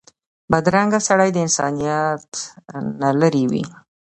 بدرنګه سړی د انسانیت نه لرې وي